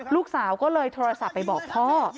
ลูกสาวก็เลยโทรศัพท์ไปบอกพ่อ